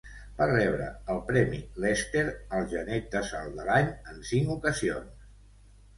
Va rebre el Premi Lester al genet de salt de l'any en cinc ocasions.